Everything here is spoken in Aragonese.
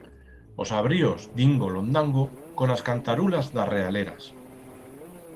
Os abríos dingo-londango con as cantarulas d'as realeras.